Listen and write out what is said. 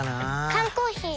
缶コーヒー